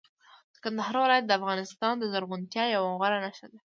د کندهار ولایت د افغانستان د زرغونتیا یوه غوره نښه ده.